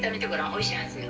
おいしいはずよ。